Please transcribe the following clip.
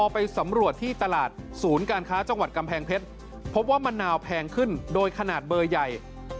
ในจังหวัดกำแพงเพชรพบว่ามะนาวแพงขึ้นโดยขนาดเบอร์ใหญ่